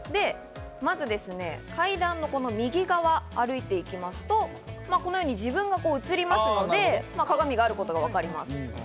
まず階段の右側を歩いていきますと、このように自分が映りますので、鏡があることがわかります。